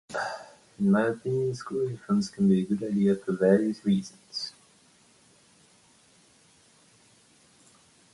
In my opinion, school uniforms can be a good idea for various reasons.